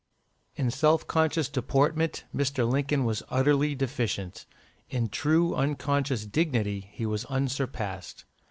_" In self conscious "deportment," Mr. Lincoln was utterly deficient; in true unconscious dignity, he was unsurpassed.